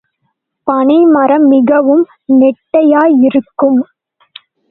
பனை மரம் மிகவும் நெட்டையா யிருக்கும்.